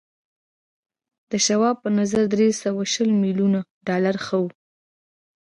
د شواب په نظر درې سوه شل ميليونه ډالر ښه و